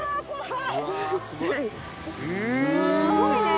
すごいね。